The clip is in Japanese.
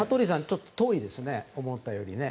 ちょっと遠いですね思ったよりね。